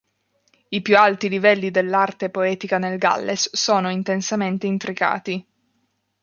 I più alti livelli dell'arte poetica nel Galles sono intensamente intricati.